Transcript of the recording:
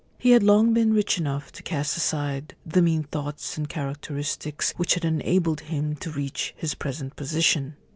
He had long been rich enough to cast aside the mean thoughts and characteristics which had enabled him to reach his present position.